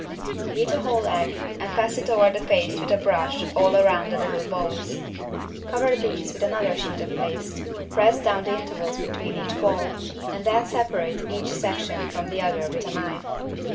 Beat a whole egg and pass it over the paste with a brush all around the little balls. Cover these with another sheet of paste, press down the intervals between each ball, and then separate each section from the other with a knife.